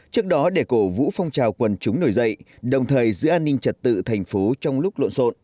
trước đó để cổ vũ phong trào quần chúng nổi dậy đồng thời giữ an ninh trật tự thành phố trong lúc lộn xộn